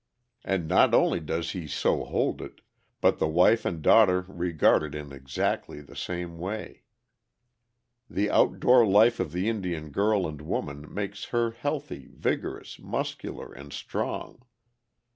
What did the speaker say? And not only does he so hold it, but the wife and daughter regard it in exactly the same way. The out door life of the Indian girl and woman makes her healthy, vigorous, muscular, and strong.